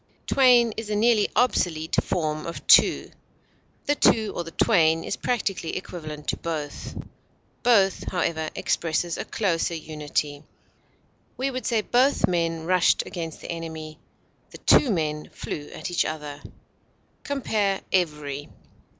Twain is a nearly obsolete form of two. The two, or the twain, is practically equivalent to both; both, however, expresses a closer unity. We would say both men rushed against the enemy; the two men flew at each other. Compare EVERY.